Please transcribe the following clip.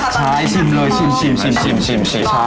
ใส่ผมฟุ้งฟริ้งนิดนึงนะคะ